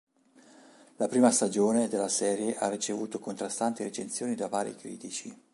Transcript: La prima stagione della serie ha ricevuto contrastanti recensioni da vari critici.